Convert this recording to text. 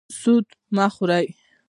سود مه خورئ